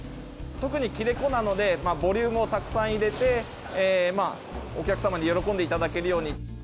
特に切れ子なので、ボリュームをたくさん入れて、お客様に喜んでいただけるように。